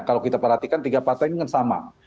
kalau kita perhatikan tiga partai ini kan sama